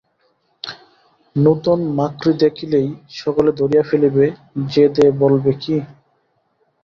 নূতন মাকড়ি দেখিলেই সকলে ধরিয়া ফেলিবে যে দে বলবে কী?